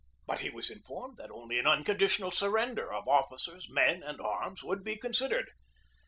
But he was informed that only an unconditional surren der of officers, men, and arms would be considered.